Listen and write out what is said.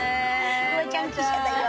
フワちゃん記者だよ。